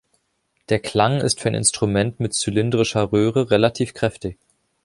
Der Klang ist für ein Instrument mit zylindrischer Röhre relativ kräftig.